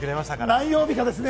何曜日かですね。